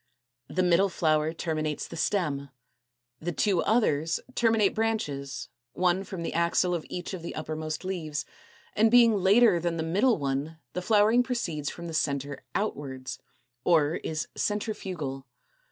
The middle flower, a, terminates the stem; the two others, b b, terminate branches, one from the axil of each of the uppermost leaves; and being later than the middle one, the flowering proceeds from the centre outwards, or is Centrifugal.